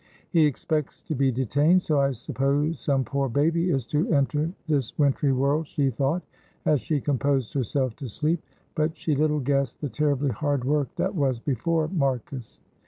"He expects to be detained, so I suppose some poor baby is to enter this wintry world," she thought, as she composed herself to sleep, but she little guessed the terribly hard work that was before Marcus.